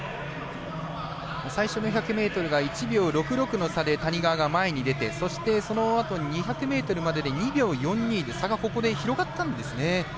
最初の１００ｍが１秒６６の差で谷川が前に出てそのあとの２００ｍまでで２秒４２で差が広がったんですね。